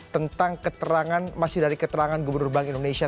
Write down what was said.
tentang keterangan masih dari keterangan gubernur bank indonesia